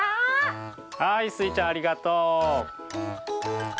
はいスイちゃんありがとう。